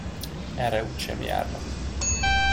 Erre úgysem járnak.